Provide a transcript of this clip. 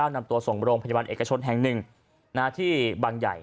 นำตัวส่งโรงพยาบาลเอกชนแห่งหนึ่งที่บางใหญ่